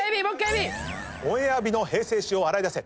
オンエア日の平成史を洗い出せ！